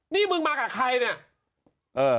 นี่มึงมากับใครเนี่ย